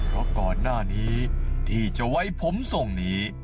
เพราะก่อนหน้านี้ที่จะไว้ผมทรงนี้